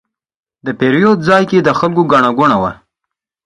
د پیرود ځای کې د خلکو ګڼه ګوڼه وه.